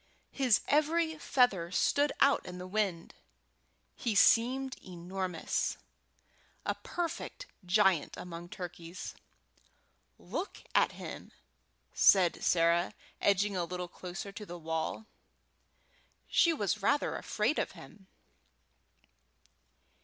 His every feather stood out in the wind. He seemed enormous a perfect giant among turkeys. "Look at him!" said Sarah, edging a little closer to the wall; she was rather afraid of him.